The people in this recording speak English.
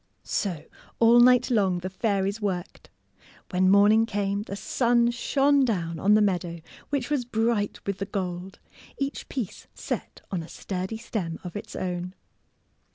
" So all night long the fairies worked. When morning came the sim shone down on the meadow which was bright with the gold, each piece set on a sturdy stem of its own.